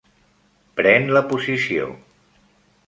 Pren la posició.